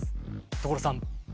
所さん！